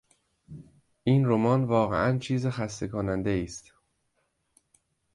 این رمان واقعا چیز خسته کنندهای است.